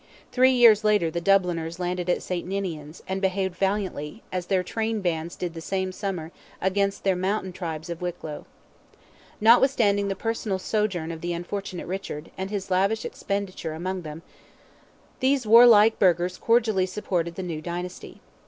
Three years later the Dubliners landed at Saint Ninians, and behaved valiantly, as their train bands did the same summer against the mountain tribes of Wicklow. Notwithstanding the personal sojourn of the unfortunate Richard, and his lavish expenditure among them, these warlike burghers cordially supported the new dynasty.